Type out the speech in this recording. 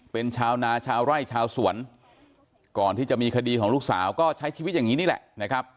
เป็นชาวนาชาวไร่ชาวสวนก่อนที่จะมีคดีของลูกสาวก็ใช้ชีวิตอย่างนี้นี่แหละนะครับ